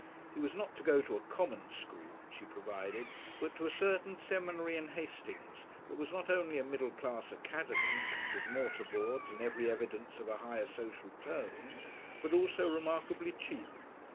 He was not to go to a "common" school, she provided, but to a certain seminary in Hastings that was not only a "middle class academy," with mortar boards and every evidence of a higher social tone, but also remarkably cheap.